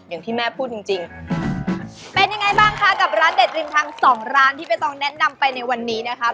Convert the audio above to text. อย่างที่แม่พูดจริงจริงเป็นยังไงบ้างคะกับร้านเด็ดริมทางสองร้านที่ไม่ต้องแนะนำไปในวันนี้นะคะ